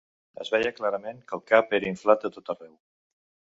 Es veia clarament que el cap era inflat de tot arreu.